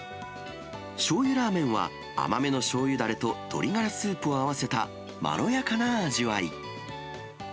しょうゆラーメンは、甘めのしょうゆだれと鶏がらスープを合わせたまろやかな味わい。